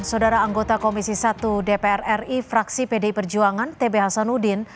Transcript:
saudara anggota komisi satu dpr ri fraksi pdi perjuangan tb hasanuddin